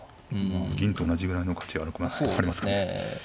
まあ銀と同じぐらいの価値はありますかね。